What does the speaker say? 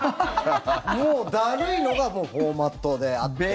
もうだるいのがフォーマットであって。